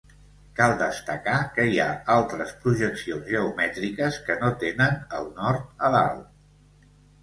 Cal destacar que hi ha altres projeccions geomètriques que no tenen el nord a dalt.